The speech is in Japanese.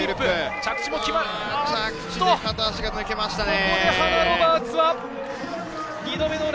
着地で片足が抜けましたね。